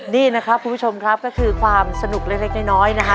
นี่นะครับคุณผู้ชมครับก็คือความสนุกเล็กน้อยนะฮะ